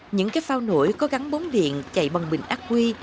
những cái phao nổi có gắn bóng điện chạy bằng bình ác quy